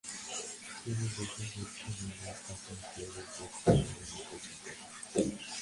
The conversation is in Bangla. তিনি বহু বৌদ্ধ মন্দির স্থাপন করে ও বৌদ্ধ ধর্ম প্রচার করেন।